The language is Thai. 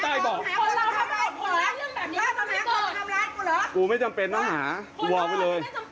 พึงหาคนมาทำร้ายกูเลยนะ